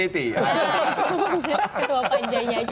ketua pajanya aja